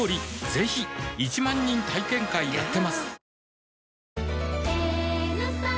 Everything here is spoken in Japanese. ぜひ１万人体験会やってますはぁ。